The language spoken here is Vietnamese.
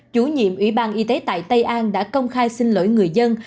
chủ nhiệm ủy ban y tế tại tây an đã công khai xin lỗi người dân